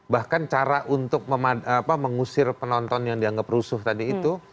bahkan cara untuk mengusir penonton yang dianggap rusuh tadi itu